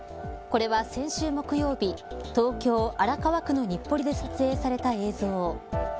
これは、先週木曜日東京、荒川区の日暮里で撮影された映像。